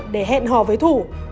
để hẹn hò với các bạn